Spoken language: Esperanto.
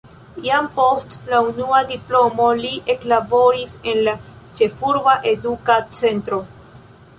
Jam post la unua diplomo li eklaboris en la ĉefurba eduka centro.